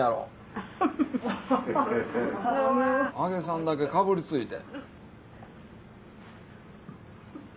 ・アハハハ・揚げさんだけかぶりついて。